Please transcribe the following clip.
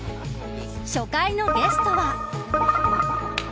初回のゲストは。